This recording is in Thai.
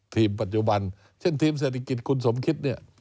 ทีมปัจจุบันเช่นทีมเศรษฐกิจคุณสมคิดเนี่ย